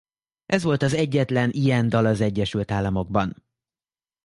Ez volt az egyetlen ilyen dal az Egyesült Államokban.